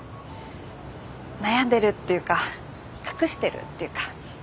悩んでるっていうか隠してるっていうか。